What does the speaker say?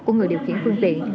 của người điều khiển phương tiện